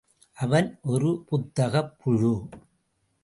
அவன் ஒரு புத்தகப் புழு.